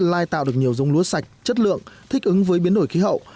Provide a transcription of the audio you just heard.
lai tạo được nhiều giống lúa sạch chất lượng thích ứng với biến đổi khí hậu